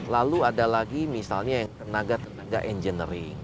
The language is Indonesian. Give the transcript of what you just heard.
lalu ada lagi misalnya yang tenaga tenaga engineering